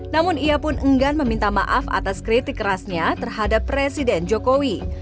namun ia pun enggan meminta maaf atas kritik kerasnya terhadap presiden jokowi